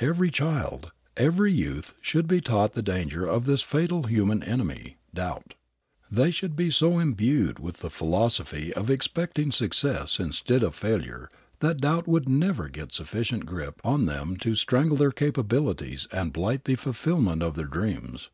Every child, every youth should be taught the danger of this fatal human enemy, doubt. They should be so imbued with the philosophy of expecting success instead of failure that doubt would never get sufficient grip on them to strangle their capabilities and blight the fulfillment of their dreams.